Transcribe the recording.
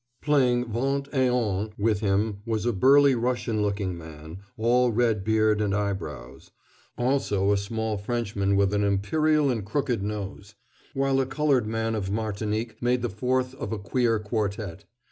Playing vingt et un with him was a burly Russian looking man, all red beard and eyebrows; also a small Frenchman with an imperial and a crooked nose; while a colored man of Martinique made the fourth of a queer quartette.